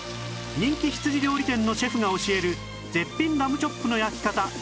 人気羊料理店のシェフが教える絶品ラムチョップの焼き方大公開！